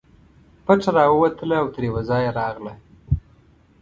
پټه راووتله او تر یوه ځایه راغله.